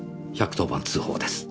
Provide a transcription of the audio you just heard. １１０番通報です。